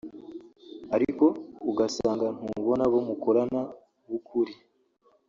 ariko ugasanga ntubona abo mukorana b’ukuri